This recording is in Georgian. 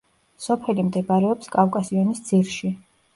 სოფელი მდებარეობს კავკასიონის ძირში.